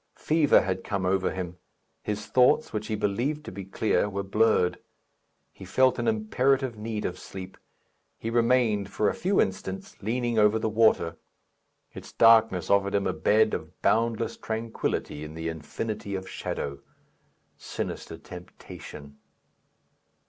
Fever had come over him. His thoughts, which he believed to be clear, were blurred. He felt an imperative need of sleep. He remained for a few instants leaning over the water. Its darkness offered him a bed of boundless tranquillity in the infinity of shadow. Sinister temptation!